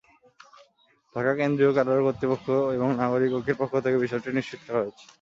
ঢাকা কেন্দ্রীয় কারাগার কর্তৃপক্ষ এবং নাগরিক ঐক্যের পক্ষ থেকে বিষয়টি নিশ্চিত করা হয়েছে।